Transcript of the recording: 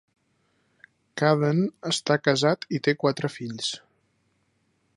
Cadden està casat i té quatre fills.